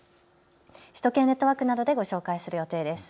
首都圏ネットワークなどでご紹介する予定です。